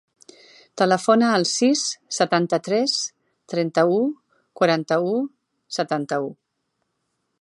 Telefona al sis, setanta-tres, trenta-u, quaranta-u, setanta-u.